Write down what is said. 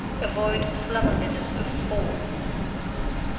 Avoid slovenliness of form.